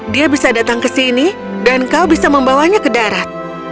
dia bisa datang ke sini dan kau bisa membawanya ke darat